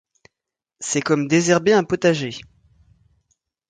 C'est comme désherber un potager.